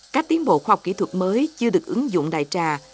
các tiến bộ khoa học kỹ thuật mới chưa được ứng dụng đại trà